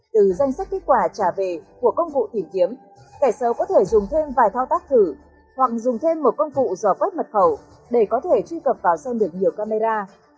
từ danh sách kết quả trả về của công cụ tìm kiếm kẻ xấu có thể dùng thêm vài thao tác thử hoặc dùng thêm một công cụ dò quét mật khẩu để có thể truy cập vào xem được nhiều camera